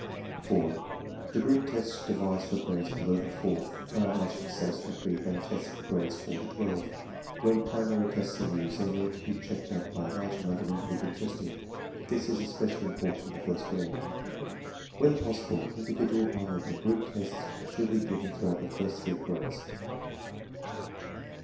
4. The group tests devised for grades below the ^fourth are much less satisfactory than tests for. Grades w 4 to 12 . When "primary" tests are used, they need to be checked up by a large amount of individual testing. This is especially important in the first grade. When possible^individual .rather. IhaiLgtoijR tests should be given throughout the first three grades.